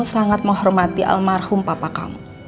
sangat menghormati almarhum papa kamu